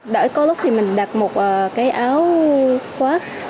đã có lúc thì mình đặt một cái áo khoác